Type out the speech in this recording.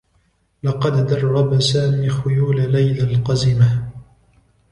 لقد درّب سامي خيول ليلى القزمة.